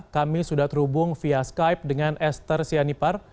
kami sudah terhubung via skype dengan esther sianipar